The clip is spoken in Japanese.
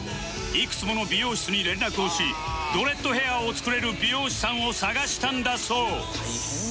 いくつもの美容室に連絡をしドレッドヘアを作れる美容師さんを探したんだそう